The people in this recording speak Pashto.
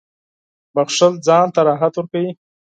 • بښل ځان ته راحت ورکوي.